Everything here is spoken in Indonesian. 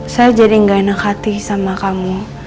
saya jadi gak enak hati sama kamu